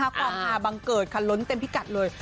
ความฮาบังเกิดค่ะล้นเต็มพิกัดเลย